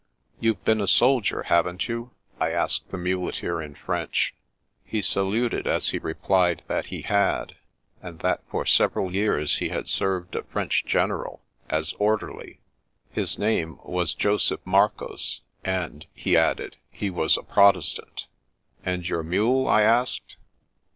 "You've been a soldier, haven't you?" I asked the muleteer in French. He saluted as he replied that he had, and that for several years he had served a French general, as orderly. His name was Joseph Marcoz, and — ^he added — ^he was a Protestant. " And your mule? " I asked.